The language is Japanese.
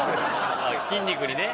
筋肉にね。